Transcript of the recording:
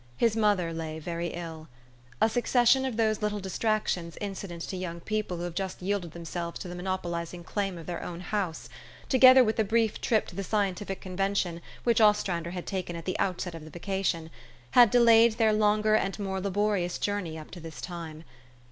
His mother lay very ill. A succession of those little distractions incident to young people who have just yielded themselves to the monopolizing claim of their own home, together with the brief trip to the scientific convention which Ostrander had taken at the outset of the vacation, had delayed their longer and more laborious journey up to this time.